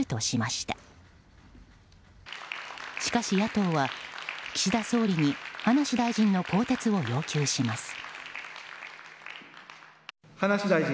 しかし野党は岸田総理に葉梨大臣の更迭を要求します。